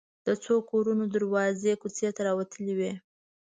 د څو کورونو دروازې کوڅې ته راوتلې وې.